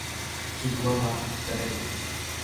কী ভুয়া ব্যাটাগিরি!